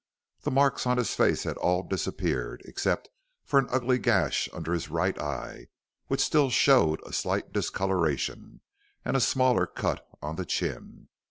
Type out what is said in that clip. The marks on his face had all disappeared, except an ugly gash under his right eye which still showed a slight discoloration and a smaller cut on the chin.